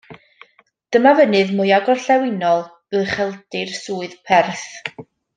Dyma fynydd mwya gorllewinol ucheldir Swydd Perth.